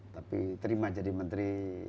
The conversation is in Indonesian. tapi terima jadi menteri